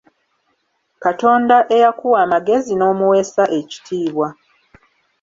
Katonda eyakuwa amagezi n'omuweesa ekitiibwa.